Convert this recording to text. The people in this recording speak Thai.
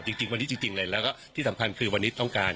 จริงวันนี้จริงเลยแล้วก็ที่สำคัญคือวันนี้ต้องการ